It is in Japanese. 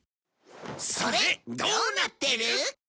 それどうなってる？